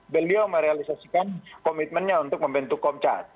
beliau merealisasikan komitmennya untuk membentuk komcat